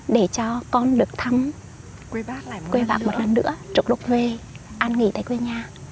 để cho con được thăm quê bạc một lần nữa trục lục về an nghỉ tại quê nhà